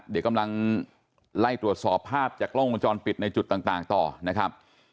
เดี๋ยวกำลังไล่ตรวจสอบภาพจากกล้องวงจรปิดในจุดต่างต่อนะครับ